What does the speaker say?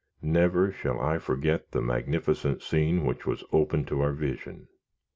Never shall I forget the magnificent scene which was opened to our vision.